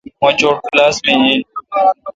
مہ چوٹ کلاس می این۔